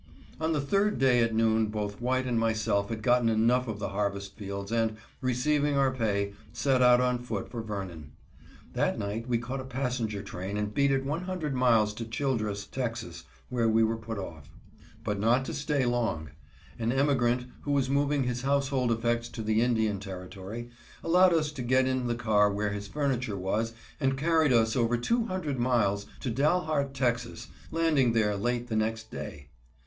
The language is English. On the third day at noon both White and myself had gotten enough of the harvest fields and, receiving our pay, set out on foot for Vernon. That night we caught a passenger train and beat it one hundred miles to Childress, Tex., where we were put off. But not to stay long. An emigrant, who was moving his household effects to the Indian Territory, allowed us to get in the car where his furniture was and carried us over two hundred miles to Dalhart, Tex., landing there late the next day.